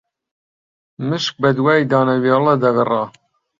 مشک بەدوای دانەوێڵە دەگەڕا